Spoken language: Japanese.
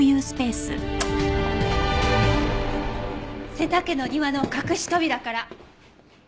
瀬田家の庭の隠し扉から。